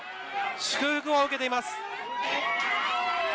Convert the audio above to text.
祝福を受けています。